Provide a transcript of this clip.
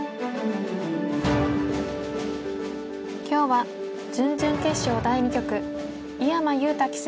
今日は準々決勝第２局井山裕太